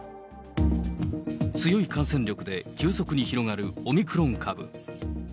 強い感染力で急速に広がるオミクロン株。